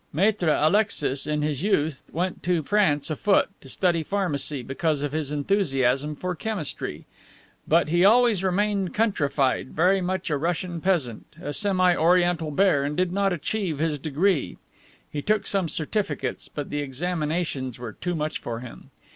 Maitre Alexis, in his youth, went to France afoot, to study pharmacy, because of his enthusiasm for chemistry. But he always remained countrified, very much a Russian peasant, a semi Oriental bear, and did not achieve his degree. He took some certificates, but the examinations were too much for him.